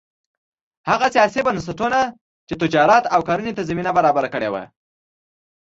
هغه سیاسي بنسټونه چې تجارت او کرنې ته زمینه برابره کړې وه